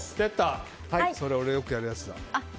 それ、俺よくやるやつだ。